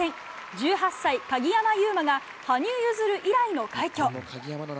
１８歳、鍵山優真が羽生結弦以来の快挙。